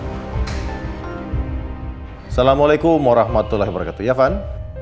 assalamualaikum warahmatullahi wabarakatuh ya van